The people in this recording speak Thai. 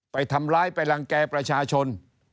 ไปทำร้ายไปรังแก่ประชาชน